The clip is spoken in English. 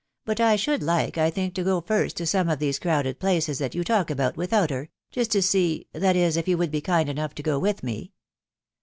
but I should like, I think, to go first to some of these crowded places that you talk about without her, just to see .... that is, if you would be kind enough to go with me."